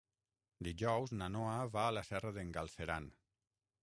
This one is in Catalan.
Dijous na Noa va a la Serra d'en Galceran.